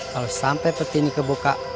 kalau sampai peti ini kebuka